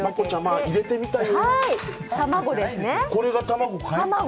これが卵かい？